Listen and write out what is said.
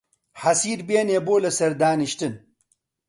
حەسیر بێنێ بۆ لە سەر دانیشتن